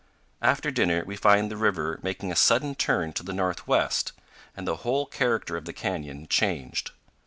After dinner we find the river making a sudden turn to the northwest and the whole character of the canyon changed.